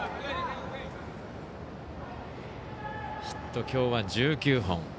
ヒットきょうは１９本。